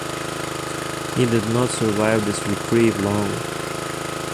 He did not survive this reprieve long.